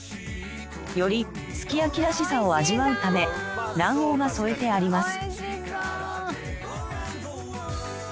よりすき焼きらしさを味わうため卵黄が添えてあります。